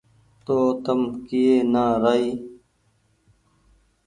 تو تم ڪيئي نآ رآئي